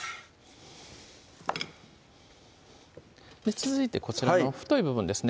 続いてこちらの太い部分ですね